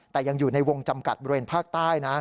แต่ยังอยู่ในวงจำกัดบริเวณภาคใต้นะ